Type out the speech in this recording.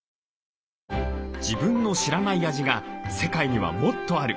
「自分の知らない味が世界にはもっとある」。